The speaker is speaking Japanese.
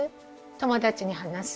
友達に話す？